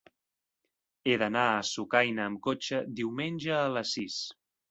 He d'anar a Sucaina amb cotxe diumenge a les sis.